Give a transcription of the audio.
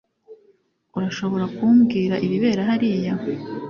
Urashobora kumbwira ibibera hariya